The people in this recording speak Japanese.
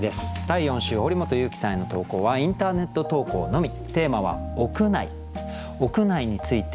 第４週堀本裕樹さんへの投稿はインターネット投稿のみ。